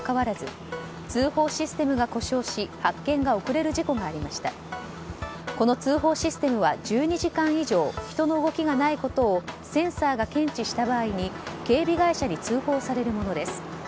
この通報システムは１２時間以上人の動きがないことをセンサーが検知した場合に警備会社に通報されるものです。